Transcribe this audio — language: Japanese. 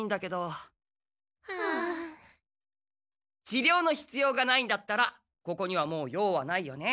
ちりょうのひつようがないんだったらここにはもう用はないよね。